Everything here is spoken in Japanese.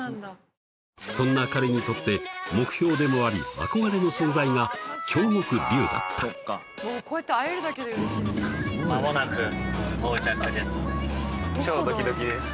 そんな彼にとって目標でもあり憧れの存在が京極琉だった間もなく到着です